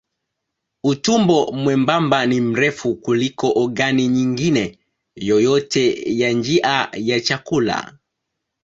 Utumbo mwembamba ni mrefu kuliko ogani nyingine yoyote ya njia ya chakula.